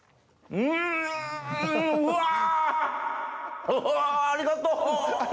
うわありがとう！